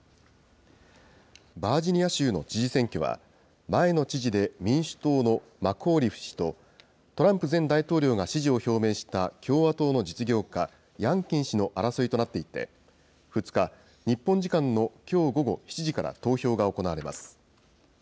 バージニア州の知事選挙は、前の知事で民主党のマコーリフ氏と、トランプ前大統領が支持を表明した共和党の実業家、ヤンキン氏の争いとなっていて、２日、日本時間のきょう午後７時から投票が行われます。